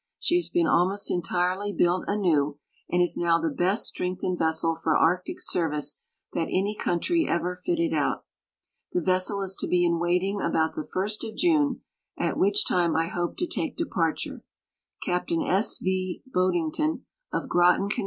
She has been almost entireh^ built anew, and is now the best strengthened vessel for Arctic service that any country ever fitted out. The vessel is to be in waiting about the 1st of June, at which time I hope to take departure. Capt. S. V. Budington, of Groton, Conn.